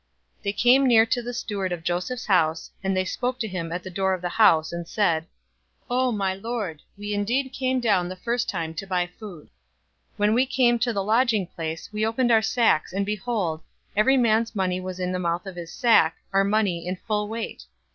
043:019 They came near to the steward of Joseph's house, and they spoke to him at the door of the house, 043:020 and said, "Oh, my lord, we indeed came down the first time to buy food. 043:021 When we came to the lodging place, we opened our sacks, and behold, every man's money was in the mouth of his sack, our money in full weight.